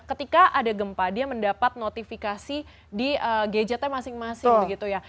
apakah ada gempa dia mendapat notifikasi di gadgetnya masing masing begitu ya